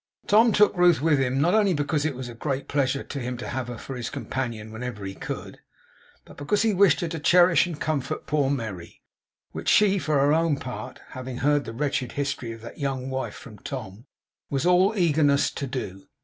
Tom took Ruth with him, not only because it was a great pleasure to him to have her for his companion whenever he could, but because he wished her to cherish and comfort poor Merry; which she, for her own part (having heard the wretched history of that young wife from Tom), was all eagerness to do.